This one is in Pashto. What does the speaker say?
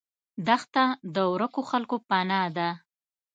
دښته د ورکو خلکو پناه ده.